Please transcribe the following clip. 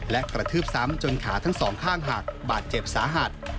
และกระทืบซ้ำจนขาทั้งสองข้างหักบาดเจ็บสาหัส